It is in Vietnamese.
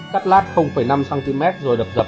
cắt lát năm cm rồi đập dập